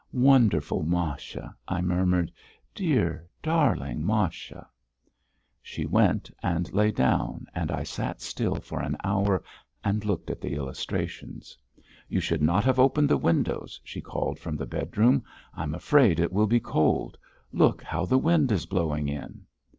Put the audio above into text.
"Wonderful Masha...." I murmured. "Dear, darling Masha...." She went and lay down and I sat still for an hour and looked at the illustrations. "You should not have opened the windows," she called from the bedroom. "I'm afraid it will be cold. Look how the wind is blowing in!"